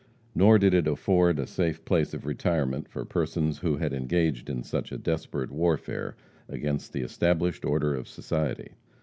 Nor did it afford a safe place of retirement for persons who had engaged in such a desperate warfare against the established order of society.